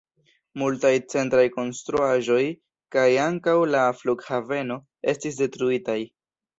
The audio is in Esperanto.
Multaj centraj konstruaĵoj kaj ankaŭ la flughaveno estis detruitaj.